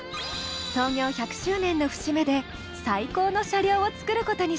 創業１００周年の節目で最高の車両を作ることにしたの。